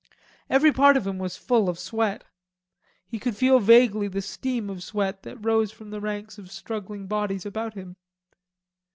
Every part of him was full of sweat. He could feel vaguely the steam of sweat that rose from the ranks of struggling bodies about him.